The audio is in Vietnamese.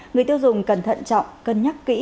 người tiêu dùng cần thận trọng cân nhắc kỹ